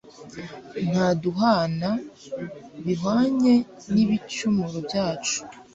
ntaduhana bihwanye n'ibicumuro byacu